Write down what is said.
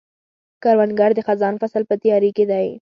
کروندګر د خزان فصل په تیاري کې دی